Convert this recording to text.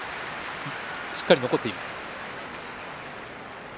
しっかり残っています。